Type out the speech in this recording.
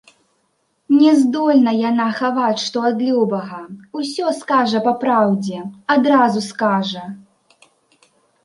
Не здольна яна хаваць што ад любага, усё скажа па праўдзе, адразу скажа.